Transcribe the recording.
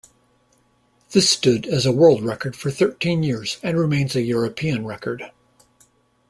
This stood as a world record for thirteen years and remains a European record.